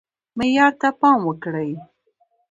معیار ته پام وکړئ